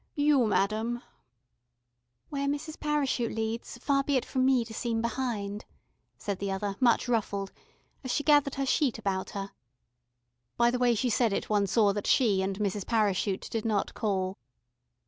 You, madam " "Where Mrs. Parachute leads, far be it from me to seem behindhand," said the other, much ruffled, as she gathered her sheet about her. By the way she said it, one saw that she and Mrs. Parachute did not call.